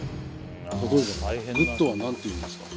例えば「Ｇｏｏｄ」は何て言うんですか？